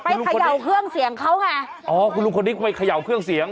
เขย่าเครื่องเสียงเขาไงอ๋อคุณลุงคนนี้ก็ไปเขย่าเครื่องเสียง